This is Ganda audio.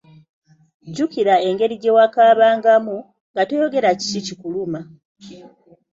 Jjukira engeri gye wakaabangamu, nga toyogera kiki kikuluma!